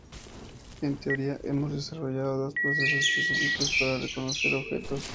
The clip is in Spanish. En teoría, hemos desarrollado dos procesos específicos para reconocer objetos.